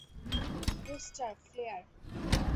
Rooster, flair.